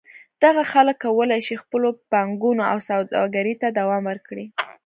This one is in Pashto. دغه خلک کولای شي خپلو پانګونو او سوداګرۍ ته دوام ورکړي.